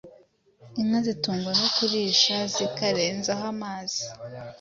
Inka zitungwa no kurisha zikarenzaho amazi.